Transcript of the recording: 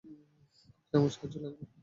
আমার সাহায্য লাগবে।